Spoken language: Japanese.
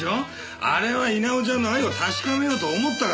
あれは稲尾ちゃんの愛を確かめようと思ったから。